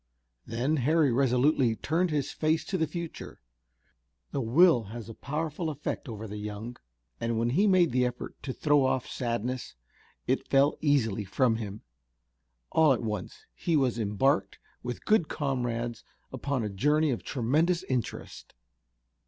Then Harry resolutely turned his face to the future. The will has a powerful effect over the young, and when he made the effort to throw off sadness it fell easily from him. All at once he was embarked with good comrades upon a journey of tremendous interest.